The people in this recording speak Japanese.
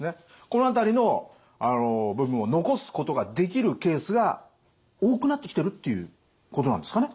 この辺りの部分を残すことができるケースが多くなってきてるっていうことなんですかね？